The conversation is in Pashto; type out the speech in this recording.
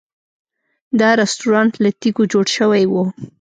دا رسټورانټ له تیږو جوړ شوی و.